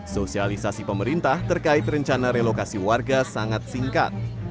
sosialisasi pemerintah terkait rencana relokasi warga sangat singkat